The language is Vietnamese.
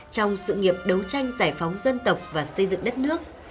trong sự nghiệp đấu tranh giải phóng dân tộc và xây dựng đất nước